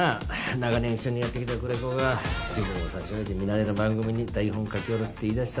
長年一緒にやってきた久連木が自分を差し置いてミナレの番組に台本書き下ろすって言いだしたら。